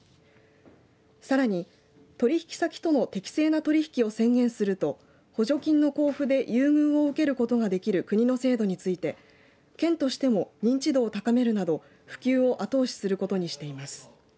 さらに取引先との適正な取引を宣言すると補助金の交付で優遇を受けることができる国の制度について県としても認知度を高めるなど普及を後押しすることにしています。